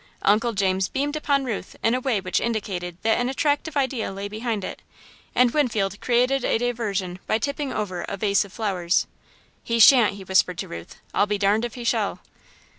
Uncle James beamed upon Ruth in a way which indicated that an attractive idea lay behind it, and Winfield created a diversion by tipping over a vase of flowers. "He shan't," he whispered to Ruth, "I'll be darned if he shall!"